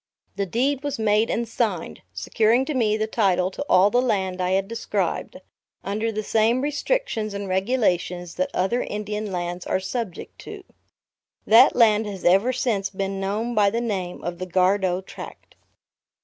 The deed was made and signed, securing to me the title to all the land I had described; under the same restrictions and regulations that other Indian lands are subject to. That land has ever since been known by the name of the Gardow Tract.